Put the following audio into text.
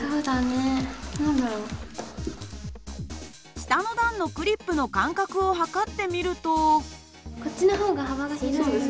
下の段のクリップの間隔を測ってみると。